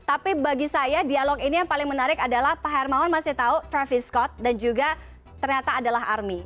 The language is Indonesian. tapi bagi saya dialog ini yang paling menarik adalah pak hermawan masih tahu traffis kot dan juga ternyata adalah army